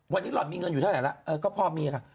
วันนี้หล่อนมีเงินอยู่เท่าไหร่แล้วก็พอมีค่ะ